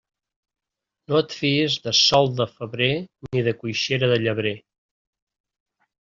No et fies de sol de febrer ni de coixera de llebrer.